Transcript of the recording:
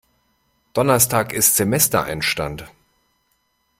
Donnerstag ist Semestereinstand.